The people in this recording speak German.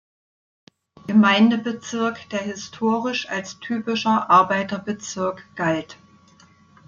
Gemeindebezirk, der historisch als typischer Arbeiterbezirk galt.